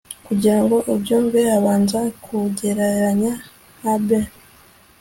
kugira ngo ubyumve, habanza kugereranya (a b)